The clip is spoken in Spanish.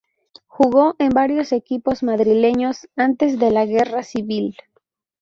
Jugó en varios equipos madrileños antes de la guerra civil.